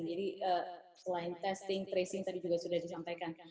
jadi selain testing tracing tadi juga sudah disampaikan